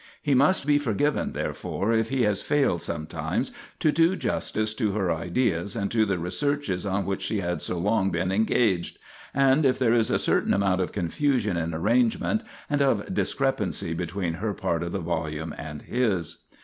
He must be forgiven, therefore, if he has failed some times to do justice to her ideas and to the researches on which she had so long been engaged, and if there is a certain amount of confusion in arrangement and of discrepancy between her part of the volume and his.